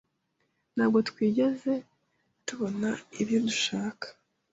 Ntabwo twigeze tubona ibyo dushaka.